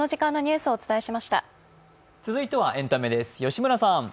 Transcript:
続いてはエンタメです。